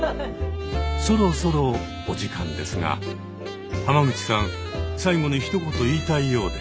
そろそろお時間ですが浜口さん最後にひとこと言いたいようで。